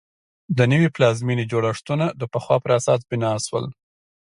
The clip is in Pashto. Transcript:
د نوې پلازمېنې جوړښتونه د پخوا پر اساس بنا شول.